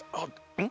うん。